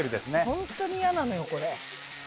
本当にイヤなのよこれ。